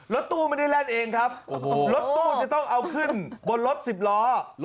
รถตู้ไม่ได้แล่นเองครับรถตู้จะต้องเอาขึ้นบนรถสิบล้อ